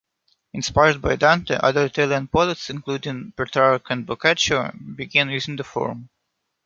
Inspired by Dante, other Italian poets, including Petrarch and Boccaccio, began using the form.